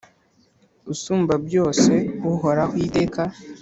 Usumbabyose uhoraho iteka